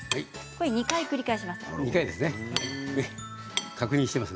これを２回繰り返します。